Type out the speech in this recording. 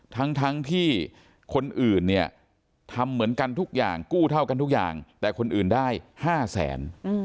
ทั้งที่คนอื่นเนี่ยทำเหมือนกันทุกอย่างกู้เท่ากันทุกอย่างแต่คนอื่นได้๕แสน